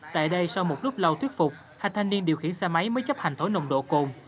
tại đây sau một lúc lâu thuyết phục hai thanh niên điều khiển xe máy mới chấp hành thổi nồng độ cồn